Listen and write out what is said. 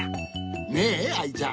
ねえアイちゃん。